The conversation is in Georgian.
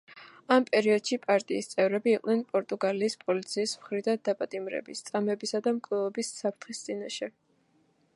ამ პერიოდში პარტიის წევრები იყვნენ პორტუგალიის პოლიციის მხრიდან დაპატიმრების, წამების და მკვლელობების საფრთხის წინაშე.